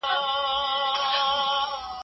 موږ باید د خپلو پلرونو لاره تعقیب کړو.